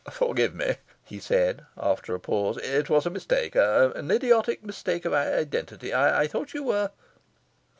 "Forgive me!" he said, after a pause. "It was a mistake an idiotic mistake of identity. I thought you were..."